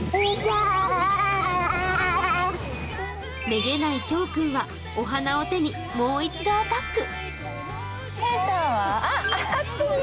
めげないきょーくんはお花を手にもう一度アタック。